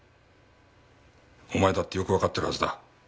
お前だってよくわかってるはずだ。